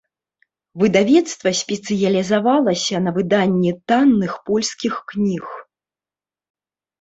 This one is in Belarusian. Выдавецтва спецыялізавалася на выданні танных польскіх кніг.